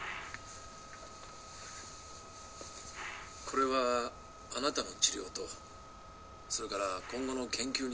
これはあなたの治療とそれから今後の研究に役立てるものです。